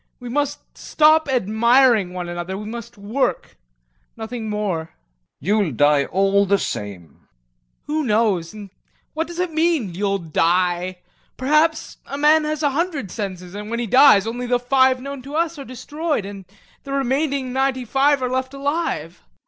We must stop admiring one another. We must work, nothing more. GAEV. You'll die, all the same. TROFIMOV. Who knows? And what does it mean you'll die? Perhaps a man has a hundred senses, and when he dies only the five known to us are destroyed and the remaining ninety five are left alive.